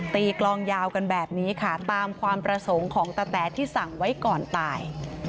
กลองยาวกันแบบนี้ค่ะตามความประสงค์ของตะแต๋ที่สั่งไว้ก่อนตาย